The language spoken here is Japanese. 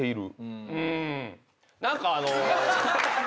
何かあの。